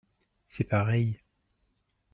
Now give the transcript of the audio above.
C'est pareil.